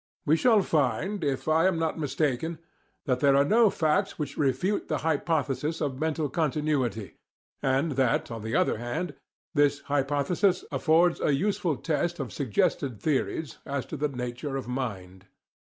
We shall find, if I am not mistaken, that there are no facts which refute the hypothesis of mental continuity, and that, on the other hand, this hypothesis affords a useful test of suggested theories as to the nature of mind.